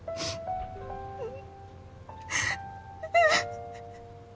うん。